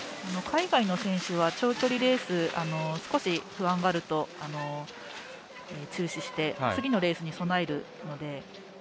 海外の選手は、長距離レースを少し不安があると中止をして次のレースに備えるので。